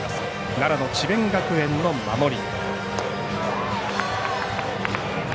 奈良の智弁学園の守り。